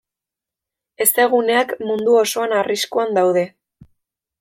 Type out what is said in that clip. Hezeguneak mundu osoan arriskuan daude.